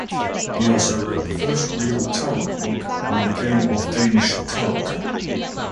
He also wrote "the first real Tarok book" on the game of Danish Tarok.